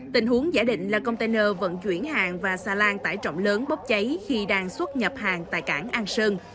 tình huống giả định là container vận chuyển hàng và xa lan tải trọng lớn bốc cháy khi đang xuất nhập hàng tại cảng an sơn